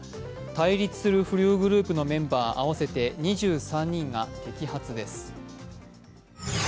対立する不良グループのメンバー合わせて２３人が摘発です。